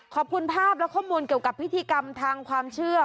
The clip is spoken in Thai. ขอบคุณภาพและข้อมูลเกี่ยวกับพิธีกรรมทางความเชื่อ